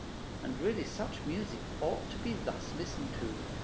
And really such music ought to be thus listened to.